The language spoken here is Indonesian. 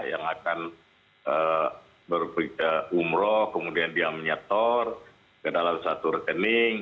yang akan berpikir umroh kemudian dia menyator ke dalam satu rekening